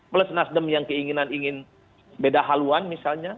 plus nasdem yang keinginan ingin beda haluan misalnya